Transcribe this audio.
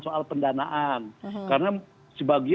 soal pendanaan karena